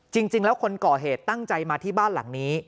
จริงแล้วคนก่อเหตุตั้งใจมาที่บ้านหลังนี้